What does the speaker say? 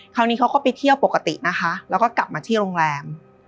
เขาก็ไปเที่ยวปกตินะคะแล้วก็กลับมาที่โรงแรม